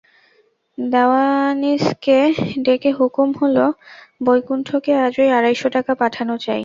দেওয়ানজিকে ডেকে হুকুম হল– বৈকুণ্ঠকে আজই আড়াইশো টাকা পাঠানো চাই।